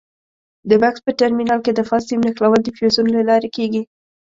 د بکس په ټرمینل کې د فاز سیم نښلول د فیوزونو له لارې کېږي.